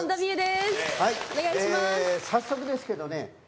早速ですけどね